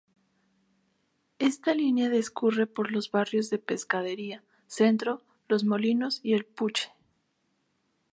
Esta línea discurre por los barrios de Pescadería, Centro, Los Molinos y El Puche.